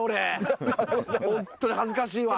本当に恥ずかしいわ。